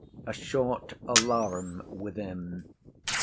_] A short alarum within.